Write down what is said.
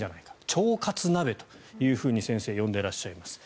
腸活鍋というふうに先生呼んでいらっしゃいます。